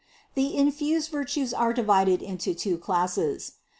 485. The infused virtues are divided into two classes.